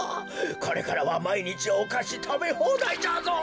これからはまいにちおかしたべほうだいじゃぞ。